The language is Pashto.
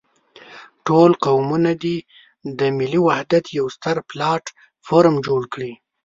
ټول قومونه دې د ملي وحدت يو ستر پلاټ فورم جوړ کړي.